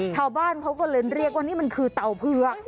ชาวบ้านเขาก็เลยเรียกว่านี่มันคือเต่าเผือก